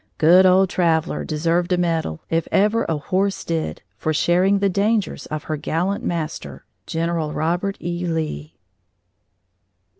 Good old Traveller deserved a medal, if ever a horse did, for sharing the dangers of her gallant master, General Robert E. Lee.